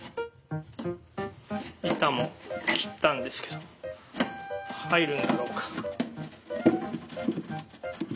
板も切ったんですけど入るんだろうか？